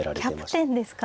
キャプテンですか。